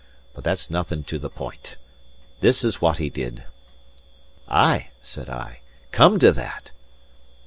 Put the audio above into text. But that's nothing to the point. This is what he did." "Ay" said I, "come to that."